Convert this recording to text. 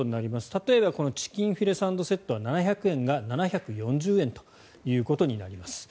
例えばチキンフィレサンドセットは７００円が７４０円ということになります。